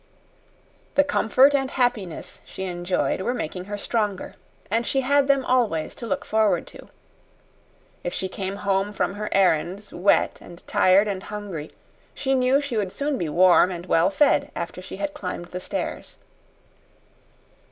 The comfort and happiness she enjoyed were making her stronger, and she had them always to look forward to. If she came home from her errands wet and tired and hungry, she knew she would soon be warm and well fed after she had climbed the stairs.